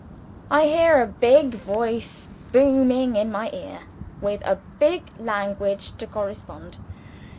I hear a big voice booming in my ear, with big language to correspond.